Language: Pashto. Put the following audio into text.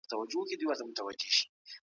زه به تل د علم په لټه کي یم.